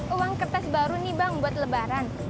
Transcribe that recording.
uang kertas baru nih bang buat lebaran